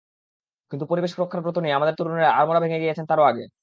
কিন্তু পরিবেশ রক্ষার ব্রত নিয়ে আমাদের তরুণেরা আড়মোড়া ভেঙে জেগেছেন তারও আগে।